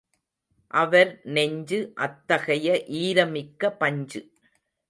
அவர் நெஞ்சு அத்தகைய ஈரமிக்க பஞ்சு.